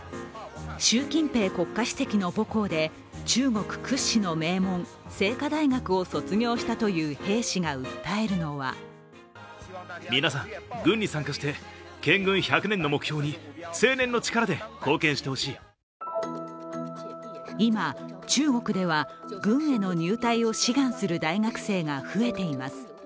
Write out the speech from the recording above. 習近平国家主席の母校で、中国屈指の名門清華大学を卒業したという兵士が訴えるのは今、中国では、軍への入隊を志願する大学生が増えています。